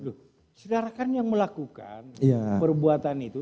loh saudara kan yang melakukan perbuatan itu